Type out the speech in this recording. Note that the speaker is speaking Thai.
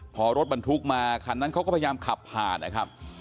พอรถบรรทุกมาคันนั้นเขาก็พยายามขับผ่านนะครับ